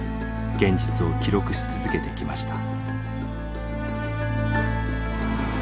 現実を記録し続けてきました。